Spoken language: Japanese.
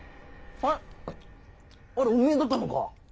あれおめえだったのか？